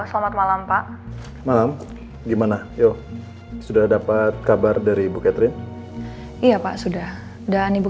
selamat malam pak malam gimana yuk sudah dapat kabar dari bu catherine iya pak sudah dan ibu